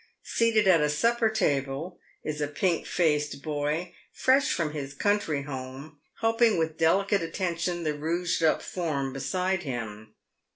Seated at a supper table is a pink faced boy, fresh from his country home, helping with delicate attention the rouged up form beside him.